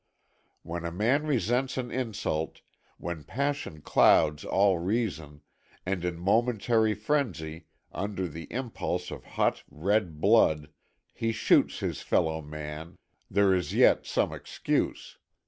When a man resents an insult, when passion clouds all reason, and in momentary frenzy, under the impulse of hot, red blood, he shoots his fellow man, there is yet some excuse.